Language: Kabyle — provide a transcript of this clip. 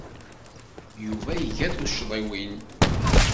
Yuba iga tuccḍiwin.